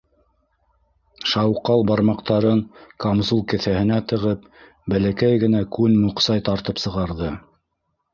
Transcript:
Шауҡал бармаҡтарын камзул кеҫәһенә тығып, бәләкәй генә күн моҡсай тартып сығарҙы.